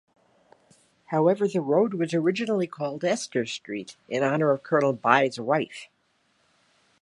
However, the road was originally called Esther Street in honour of Colonel By's wife.